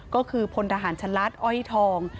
ก็คือพลทหารชะลัดอ้อยทอง